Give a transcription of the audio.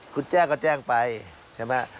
คุณแจ้งก็แจ้งไปใช่ไหม